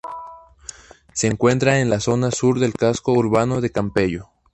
Se encuentra en la zona sur del casco urbano de Campello.